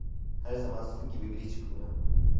Her zaman sizin gibi biri çıkmıyor…